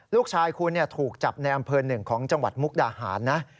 ลูกชายคุณถูกจับในอำเภอหนึ่งของจังหวัดมุกดาหารนะ